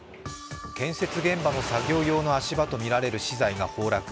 建設現場の作業用の足場とみられる資材が崩落。